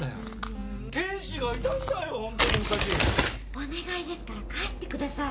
お願いですから帰ってください。